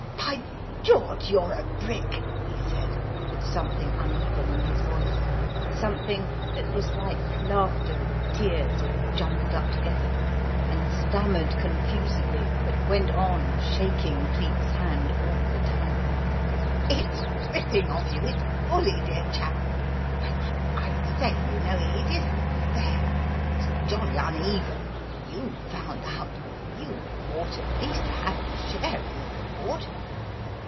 "By George, you're a brick!" he said, with something uneven in his voice something that was like laughter and tears all jumbled up together; then he glanced over at Lady Chepstow, and flushed, and floundered, and stammered confusedly, but went on shaking Cleek's hand all the time. "It's ripping of you it's bully, dear chap, but I say, you know, it isn't fair. It's jolly uneven. You found out. You ought at least to have a share in the reward."